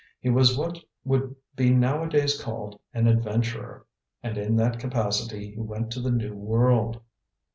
He was what would be nowadays called an adventurer, and in that capacity he went to the New World."